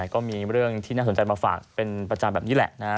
ก็มีเรื่องที่น่าสนใจมาฝากเป็นประจำแบบนี้แหละนะฮะ